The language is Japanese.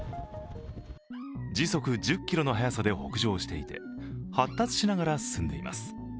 時速１０キロの速さで北上していて、発達しながら進んでいます。